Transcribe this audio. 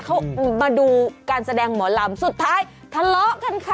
เขามาดูการแสดงหมอลำสุดท้ายทะเลาะกันค่ะ